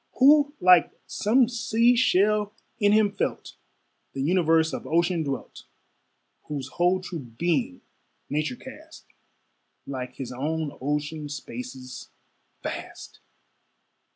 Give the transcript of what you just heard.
Who like some sea shell, in him felt The universe of ocean dwelt, Whose whole true being nature cast Like his own ocean spaces, vast!